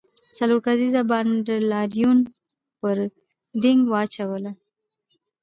څلور کسیز بانډ لاریون پر دینګ واچوله.